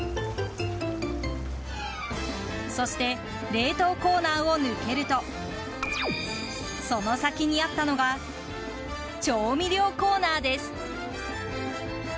そして、冷凍コーナーを抜けるとその先にあったのが調味料コーナーです。